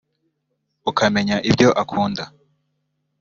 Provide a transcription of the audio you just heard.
ukamenya ibyo akunda